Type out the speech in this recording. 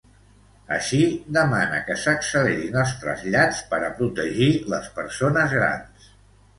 Així, demana que s'accelerin els trasllats per a protegir les persones grans.